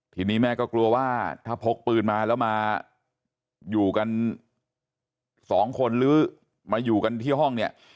ทีนี้แม่ก็กลัวว่าถ้าพกปืนมาแล้วมาอยู่กันสองคนหรือมาอยู่กันที่ห้องเนี่ย